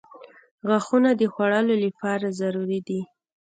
• غاښونه د خوړلو لپاره ضروري دي.